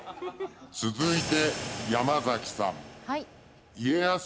続いて山崎さん。